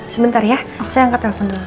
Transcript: sebentar ya saya angkat telepon dulu